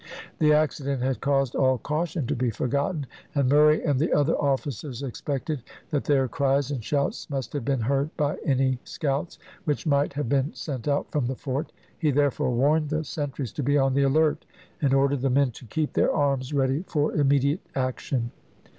The accident had caused all caution to be forgotten, and Murray and the other officers expected that their cries and shouts must have been heard by any scouts which might have been sent out from the fort. He therefore warned the sentries to be on the alert, and ordered the men to keep their arms ready for immediate action.